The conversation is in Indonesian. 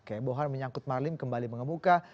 keebohan menyangkut marlim kembali mengemuka